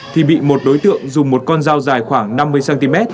thì bị một đối tượng dùng một con dao dài khoảng năm mươi cm